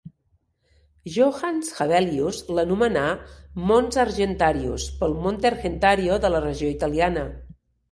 Johannes Hevelius l'anomenà "Mons Argentarius", pel Monte Argentario de la regió italiana.